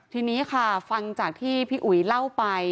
ทีนี้ค่ะฟังจากที่พี่อุ๋ยเล่าไป